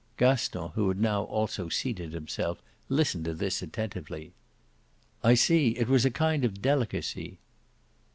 Gaston, who had now also seated himself, listened to this attentively. "I see. It was a kind of delicacy."